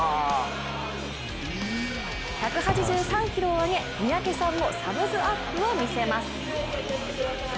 １８３ｋｇを上げ、三宅さんもサムズアップを見せます。